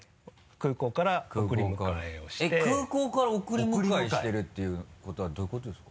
空港から送り迎えをしてるっていうことはどういうことですか？